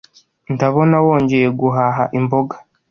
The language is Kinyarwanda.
Ndabona wongeye guhaha imboga.